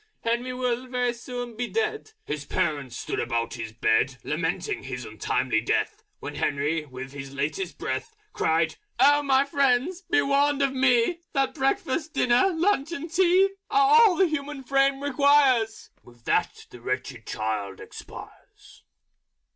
Henry will very soon be dead." His Parents stood about his Bed Lamenting his Untimely Death, When Henry, with his Latest Breath, Cried "Oh, my Friends, be warned by me, That Breakfast, Dinner, Lunch and Tea Are all the Human Frame requires ..." With that the Wretched Child expires.